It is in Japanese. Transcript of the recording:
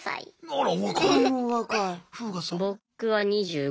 あら。